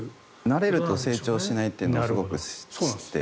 慣れると成長しないというのをすごく知って。